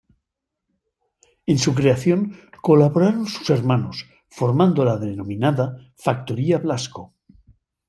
En su creación colaboraron sus hermanos, formando la denominada "Factoría Blasco".